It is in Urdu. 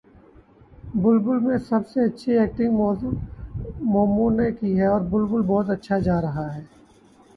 بلبلے میں سب سے اچھی ایکٹنگ مومو نے کی ہے اور بلبلے بہت اچھا جا رہا ہے